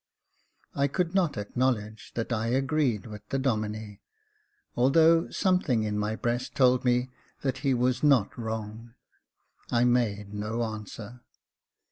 I could not acknowledge that I agreed with the Domine, although something in my breast told me that he was not wrong. I made no answer.